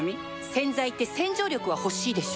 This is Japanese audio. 洗剤って洗浄力は欲しいでしょ